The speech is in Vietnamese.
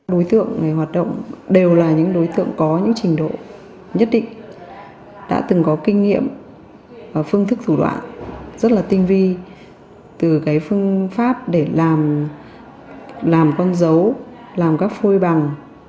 đối tượng này hoạt động đều là những đối tượng có những trình độ nhất định đã từng có kinh nghiệm và phương thức thủ đoạn rất là tinh vi từ phương pháp để làm con dấu làm các phôi bằng